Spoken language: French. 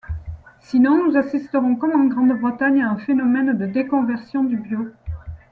Sinon, nous assisterons, comme en Grande-Bretagne, à un phénomène de déconversion du bio.